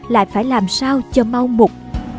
lại phải làm sao cho mau mục